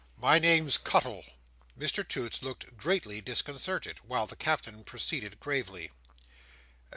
"My name's Cuttle." Mr Toots looked greatly disconcerted, while the Captain proceeded gravely.